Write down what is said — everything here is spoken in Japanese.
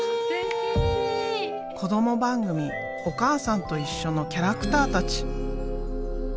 子ども番組「おかあさんといっしょ」のキャラクターたち。